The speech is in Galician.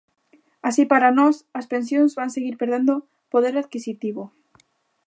Así, para nós, as pensións van seguir perdendo poder adquisitivo.